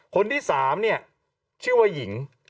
คนที่สามชื่อว่าหญิง